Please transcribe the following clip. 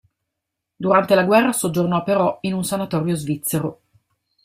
Durante la guerra soggiornò però in un sanatorio svizzero.